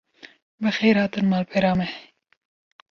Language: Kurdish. Bi xêr hatin malpera me